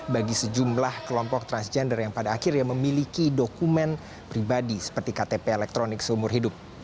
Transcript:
bagi sejumlah kelompok transgender yang pada akhirnya memiliki dokumen pribadi seperti ktp elektronik seumur hidup